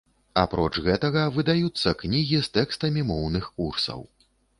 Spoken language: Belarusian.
Апроч гэтага, выдаюцца кнігі з тэкстамі моўных курсаў.